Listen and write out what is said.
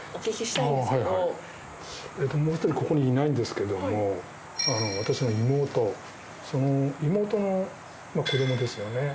もう１人ここにいないんですけども私の妹その妹の子供ですよね。